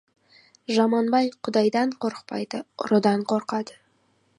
Жаман бай Құдайдан қорықпайды, ұрыдан қорқады.